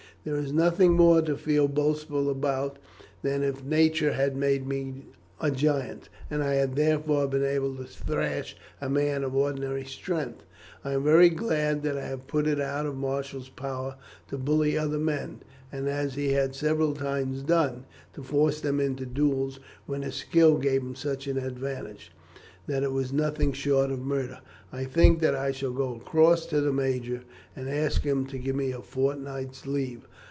There is nothing more to feel boastful about than if nature had made me a giant, and I had thereby been able to thrash a man of ordinary strength. I am very glad that I have put it out of Marshall's power to bully other men, and, as he had several times done, to force them into duels, when his skill gave him such an advantage that it was nothing short of murder. I think that I shall go across to the major, and ask him to give me a fortnight's leave.